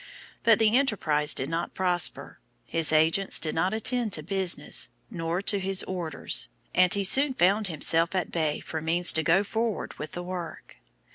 But the enterprise did not prosper, his agents did not attend to business, nor to his orders, and he soon found himself at bay for means to go forward with the work.